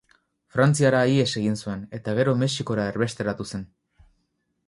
Frantziara ihes egin zuen, eta gero, Mexikora erbesteratu zen.